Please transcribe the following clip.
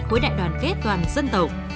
khối đại đoàn kết toàn dân tộc